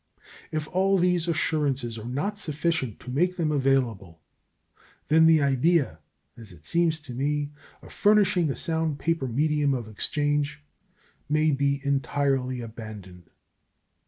If all these assurances are not sufficient to make them available, then the idea, as it seems to me, of furnishing a sound paper medium of exchange may be entirely abandoned.